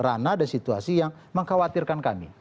ranah dan situasi yang mengkhawatirkan kami